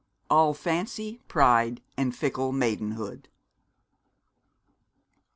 'ALL FANCY, PRIDE, AND FICKLE MAIDENHOOD.'